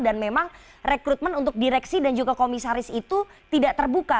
dan memang rekrutmen untuk direksi dan juga komisaris itu tidak terbuka